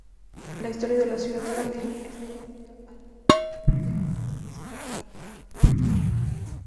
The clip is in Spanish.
La historia de Ciudad Jardín está unida al devenir del vecino El Palomar.